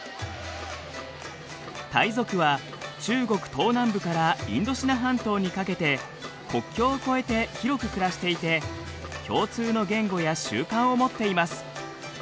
タイ族は中国東南部からインドシナ半島にかけて国境を越えて広く暮らしていて共通の言語や習慣を持っています。